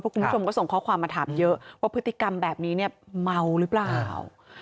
คุณผู้ชมก็ส่งข้อความมาถามเยอะว่าพฤติกรรมแบบนี้เนี่ยเมาหรือเปล่า